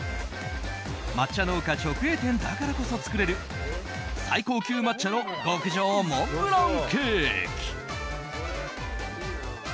抹茶農家直営店だからこそ作れる最高級抹茶の極上モンブランケーキ。